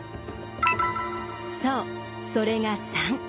そうそれが３。